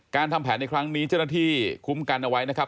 ทำแผนในครั้งนี้เจ้าหน้าที่คุ้มกันเอาไว้นะครับ